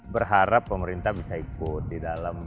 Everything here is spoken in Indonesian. berharap pemerintah bisa ikut di dalam